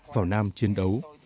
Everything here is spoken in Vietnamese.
vào nam chiến đấu